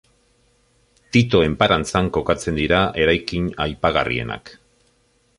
Tito enparantzan kokatzen dira eraikin aipagarrienak.